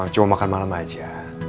cuma makan malam aja